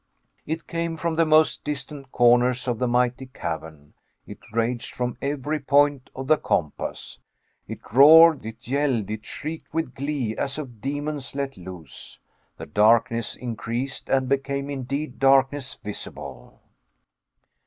It came from the most distant corners of the mighty cavern. It raged from every point of the compass. It roared; it yelled; it shrieked with glee as of demons let loose. The darkness increased and became indeed darkness visible.